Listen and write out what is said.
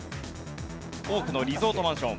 多くのリゾートマンション。